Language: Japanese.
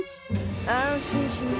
安心しな